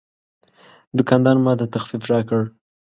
دوکاندار ماته تخفیف راکړ.